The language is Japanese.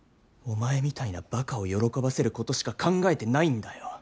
お前みたいなばかを喜ばせることしか考えてないんだよ。